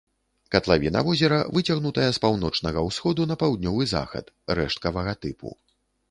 Катлавіна возера выцягнутая з паўночнага ўсходу на паўднёвы захад, рэшткавага тыпу.